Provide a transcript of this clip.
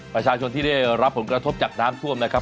ประชาชนที่ได้รับผลกระทบจากน้ำท่วมนะครับ